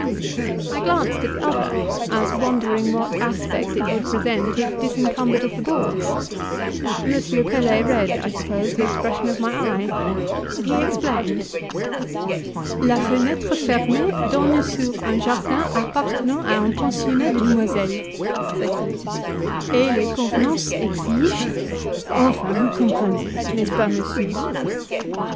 I glanced at the other, as wondering what aspect it would present if disencumbered of the boards. M. Pelet read, I suppose, the expression of my eye; he explained: "La fenetre fermee donne sur un jardin appartenant a un pensionnat de demoiselles," said he, "et les convenances exigent enfin, vous comprenez n'est ce pas, monsieur?"